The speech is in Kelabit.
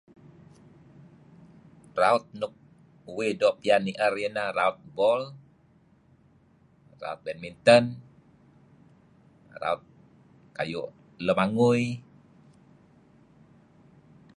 Raut nuk uih doo' pian ni'er ieh neh raut bol, raut betminten, raut kayu' lemangui...